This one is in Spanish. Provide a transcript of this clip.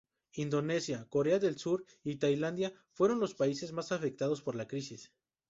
Indonesia, Corea del Sur y Tailandia fueron los países más afectados por la crisis.